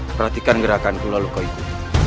perhatikan gerakan kulalu kau itu